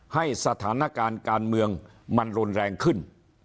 ให้สถานการณ์การเมืองมันรุนแรงขึ้น